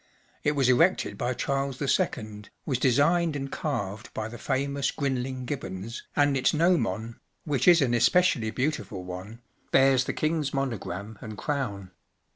It was erected by Charles II., was designed and carved by the famous Grinling Gibbons, and its gnomon—which is an especially beautiful one—bears the King’s monogram and crown.